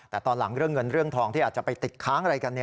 แต่ตอนหลังเรื่องเงินเรื่องทองที่อาจจะไปติดค้างอะไรกัน